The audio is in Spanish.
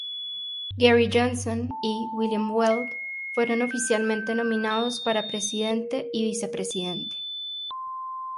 Gary Johnson y William Weld fueron oficialmente nominados para presidente y vicepresidente.